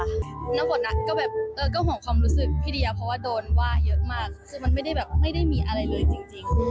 แล้วบทนั้นก็แบบก็ห่วงความรู้สึกพี่เดียเพราะว่าโดนว่าเยอะมากซึ่งมันไม่ได้แบบไม่ได้มีอะไรเลยจริง